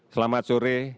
selamat sore terima kasih